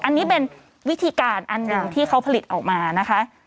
อันนี้เป็นวิธีการอันหนึ่งที่เขาผลิตออกมานะคะ